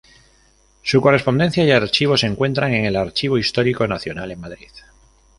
Su correspondencia y archivo se encuentran en el Archivo Histórico Nacional en Madrid.